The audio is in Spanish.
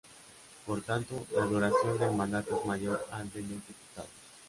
Por tanto la duración del mandato es mayor al de los diputados.